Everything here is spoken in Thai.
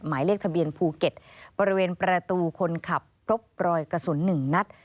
หมายเลขทะเบียนภูเก็ตบริเวณประตูคนขับพบรอยกระสุน๑นัด